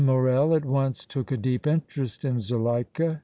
Morrel at once took a deep interest in Zuleika.